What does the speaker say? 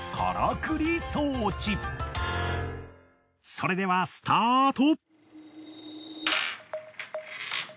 それではスタート。